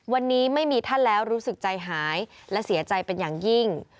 วันนี้ไม่มีท่านแล้วรู้สึกใจหายและเสียใจเป็นอย่างยิ่ง